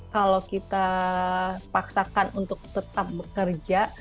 kalau kita paksakan untuk tetap bekerja